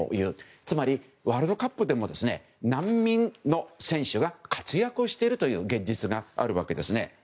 つまり、ワールドカップでも難民の選手が活躍をしているという現実があるわけですね。